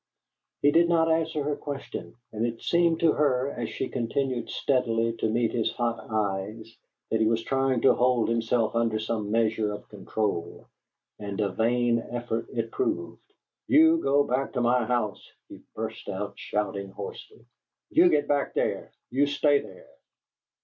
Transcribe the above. He did not answer her question, and it seemed to her, as she continued steadily to meet his hot eyes, that he was trying to hold himself under some measure of control; and a vain effort it proved. "You go back to my house!" he burst out, shouting hoarsely. "You get back there! You stay there!"